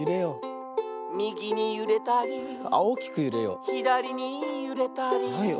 「みぎにゆれたり」「ひだりにゆれたり」